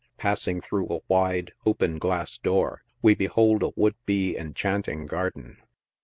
Pas. ing through a wide, open glass door, we behold a would be enchanting garden.